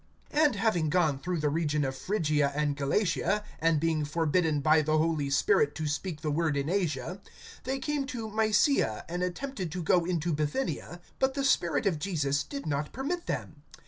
(6)And having gone through the region of Phrygia and Galatia, and being forbidden by the Holy Spirit to speak the word in Asia, (7)they came to Mysia, and attempted to go into Bithynia; but the Spirit of Jesus did not permit them.